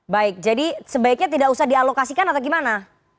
baik jadi sebaiknya tidak usah dialokasikan atau gimana